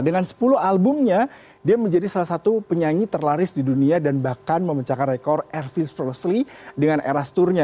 dengan sepuluh albumnya dia menjadi salah satu penyanyi terlaris di dunia dan bahkan memecahkan rekor ervice forestly dengan era store nya